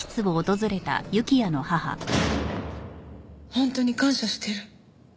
本当に感謝してる。